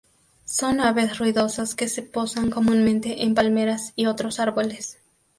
Son aves ruidosas que se posan comúnmente en palmeras y otros árboles.